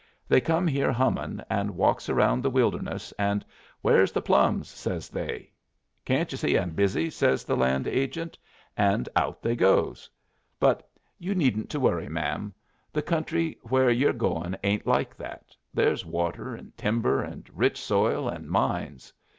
They come here hummin' and walks around the wilderness, and 'Where's the plums?' says they. 'Can't you see I'm busy?' says the land agent; and out they goes. But you needn't to worry, ma'am. The country where you're goin' ain't like that. There's water and timber and rich soil and mines.